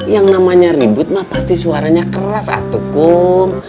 yang namanya ribut mah pasti suaranya keras atuh kum